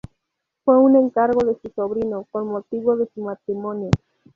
Fue un encargo de su sobrino, con motivo de su matrimonio.